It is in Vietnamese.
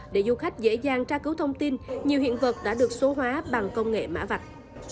để du khách dễ dàng tra cứu thông tin nhiều hiện vật đã được số hóa bằng công nghệ mã vạch